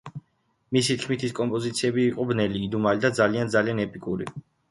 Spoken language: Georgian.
მისი თქმით ეს კომპოზიციები იყო ბნელი, იდუმალი და „ძალიან ძალიან ძალიან ეპიკური“.